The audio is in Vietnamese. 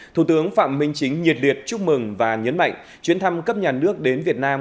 thủ tướng phạm minh chính nhiệt liệt chúc mừng và nhấn mạnh chuyến thăm cấp nhà nước đến việt nam